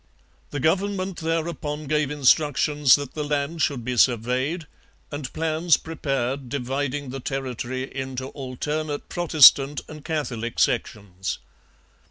The government thereupon gave instructions that the land should be surveyed and plans prepared dividing the territory into alternate Protestant and Catholic sections.